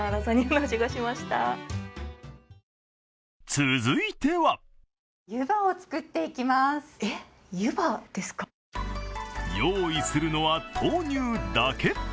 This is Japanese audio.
続いては用意するのは豆乳だけ。